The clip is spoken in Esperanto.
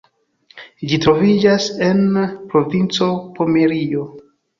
Ĝi troviĝas en provinco Pomerio.